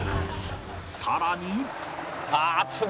さらに